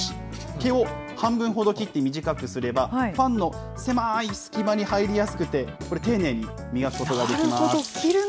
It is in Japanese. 毛を半分ほど切って短くすれば、ファンの狭い隙間に入りやすくて、これ、丁寧に磨くことができます。